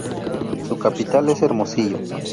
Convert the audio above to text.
Su capital es Hermosillo.